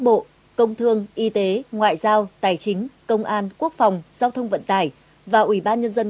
bộ công thương y tế ngoại giao tài chính công an quốc phòng giao thông vận tải và ủy ban nhân dân